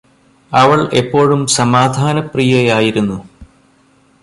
അവള് എപ്പോഴും സമാധാനപ്രിയയായിരുന്നു